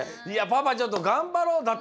いやパパちょっと頑張ろう。